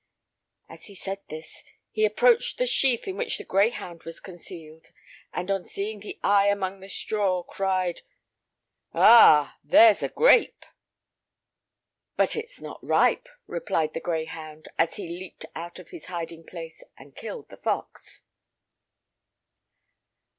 As he said this, he approached the sheaf in which the greyhound was concealed, and on seeing the eye among the straw, cried: "Ah, there's a grape!" "But it is not ripe," replied the greyhound, as he leaped out of his hiding place, and killed the fox.